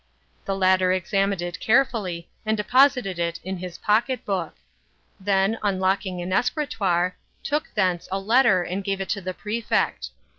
The latter examined it carefully and deposited it in his pocket book; then, unlocking an escritoire, took thence a letter and gave it to the Prefect.